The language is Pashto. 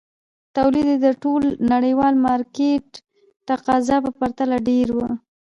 تولید یې د ټول نړیوال مارکېټ تقاضا په پرتله ډېر وو.